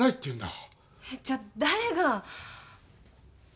えっじゃ誰が！？